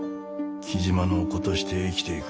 雉真の子として生きていく。